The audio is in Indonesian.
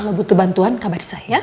tante itu ada mama